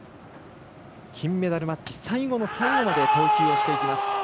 金メダルマッチ、最後の最後まで投球をしていきます。